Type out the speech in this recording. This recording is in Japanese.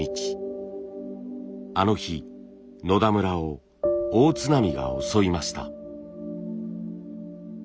あの日野田村を大津波が襲いました。